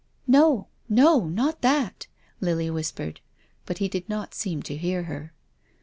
" No — no — not that !" Lily whispered. But he did not seem to hear her.